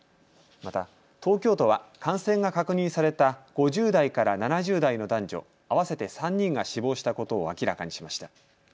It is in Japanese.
また、東京都は感染が確認された５０代から７０代の男女合わせて３人が死亡したことを明らかにしました。